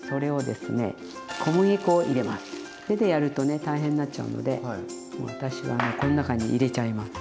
手でやるとね大変になっちゃうので私はもうこの中に入れちゃいます。